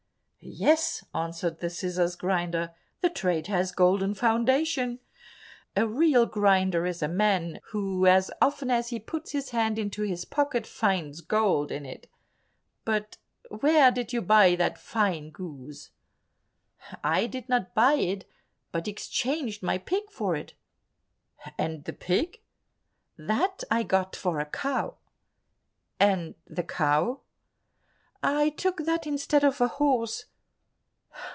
"Yes," answered the scissors grinder, "the trade has a golden foundation. A real grinder is a man who as often as he puts his hand into his pocket finds gold in it. But where did you buy that fine goose?" "I did not buy it, but exchanged my pig for it." "And the pig?" "That I got for a cow." "And the cow?" "I took that instead of a horse."